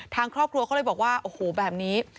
ทางครอบครัวเขาเลยบอกว่าโอ้โหแบบนี้